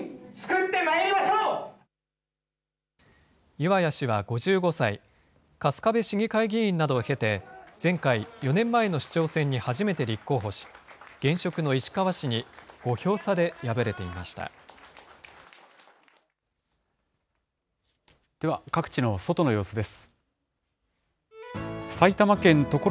岩谷氏は５５歳、春日部市議会議員などを経て、前回・４年前の市長選に初めて立候補し、現職の石川氏に５票差ででは、各地の外の様子です。